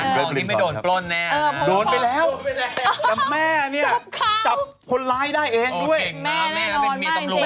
เวลาทองนี้ไม่โดนโปร่นแน่โดนไปแล้วแม่นเจ้าจับคนร้ายได้เองด้วย